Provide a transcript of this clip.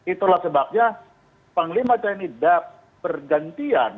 itulah sebabnya panglima tni bergantian